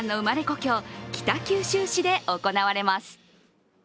故郷北九州市で行われます。